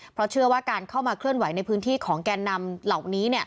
เพราะเชื่อว่าการเข้ามาเคลื่อนไหวในพื้นที่ของแกนนำเหล่านี้